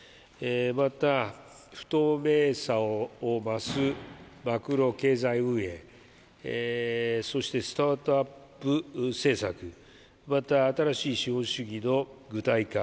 また不透明さを増すマクロ経済運営そしてスタートアップ政策また新しい資本主義の具体化